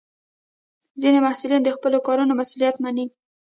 ځینې محصلین د خپلو کارونو مسؤلیت مني.